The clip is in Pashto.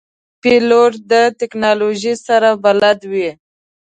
پیلوټ د تکنالوژۍ سره بلد وي.